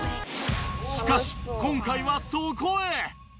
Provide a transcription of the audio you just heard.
しかし今回はそこへ